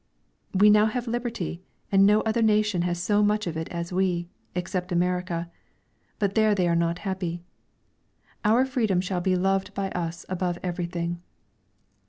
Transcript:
We now have liberty; and no other nation has so much of it as we, except America; but there they are not happy. Our freedom should be loved by us above everything.